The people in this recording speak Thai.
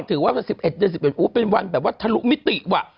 เขาถือว่าวันที่สิบเอ็ดเดือนสิบเอ็ดเป็นวันแบบว่าทะลุมิติว่ะ